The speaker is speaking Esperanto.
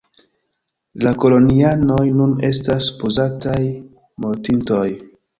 La kolonianoj nun estas supozataj mortintoj.